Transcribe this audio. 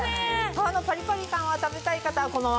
皮のパリパリ感を食べたい方はこのままで。